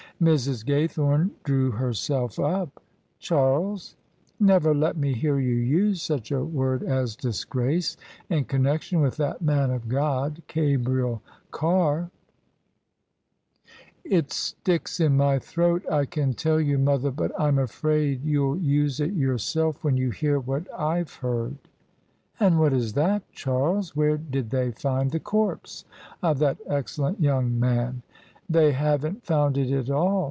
Mrs. Gaythorne drew herself up. " Charles, never let me hear you use such a word as disgrace in connexion with that man of God, Gabriel Carr." OF ISABEL CARNABY "It sticks in my throat, I can tell you, mother; but I'm afraid you'll use it yourself when you hear what I've heard." "And what is that, Charles? Where did they find the corpse of that excellent young man ?"" They haven't found it at all.